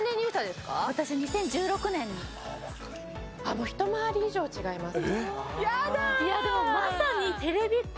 もう一回り以上違います。